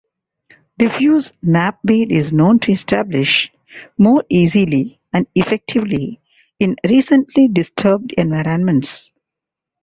Diffuse knapweed is known to establish more easily and effectively in recently disturbed environments.